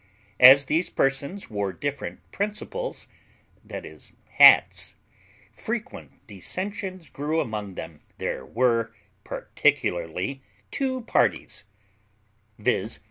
As these persons wore different PRINCIPLES, i.e. HATS, frequent dissensions grew among them. There were particularly two parties, viz.